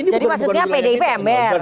jadi maksudnya pdip ember